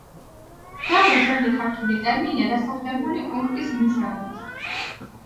დაბა ძველი ქართული ტერმინია დასახლებული პუნქტის მნიშვნელობით.